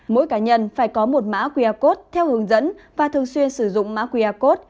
mỗi cá nhân phải có một mã qr code theo hướng dẫn và thường xuyên sử dụng mã qr code